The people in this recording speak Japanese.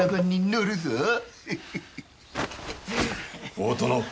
大殿！